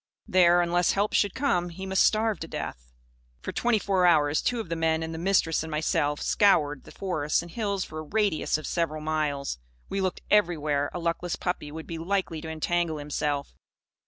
There, unless help should come, he must starve to death. For twenty four hours, two of the men and the Mistress and myself scoured the forests and hills for a radius of several miles. We looked everywhere a luckless puppy would be likely to entangle himself.